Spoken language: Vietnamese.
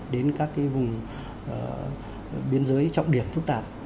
đến các vùng biên giới trọng điểm phức tạp